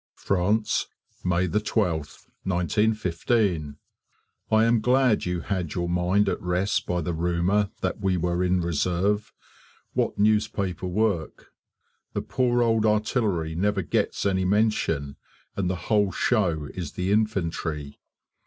France, May 12th, 1915. I am glad you had your mind at rest by the rumour that we were in reserve. What newspaper work! The poor old artillery never gets any mention, and the whole show is the infantry.